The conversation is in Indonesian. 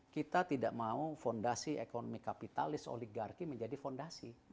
kita tidak mau fondasi ekonomi kapitalis oligarki menjadi fondasi